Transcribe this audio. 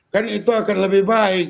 kan itu akan lebih baik